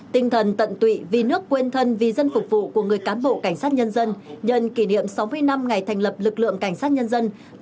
tinh thần tận tụy vì nước quên thân vì dân phục vụ của người cán bộ cảnh sát nhân dân nhận kỷ niệm sáu mươi năm ngày thành lập lực lượng cảnh sát nhân dân